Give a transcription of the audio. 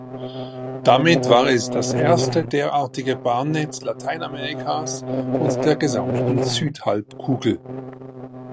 Damit war es das erste derartige Bahnnetz Lateinamerikas und der gesamten Südhalbkugel.